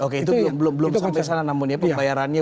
oke itu belum sampai sana namun ya pembayarannya